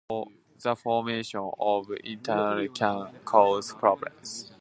The formation of intermetallics can cause problems.